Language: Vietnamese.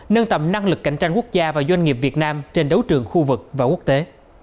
nâng tầm năng lực cạnh tranh quốc gia và doanh nghiệp việt nam trên đấu trường khu vực và quốc tế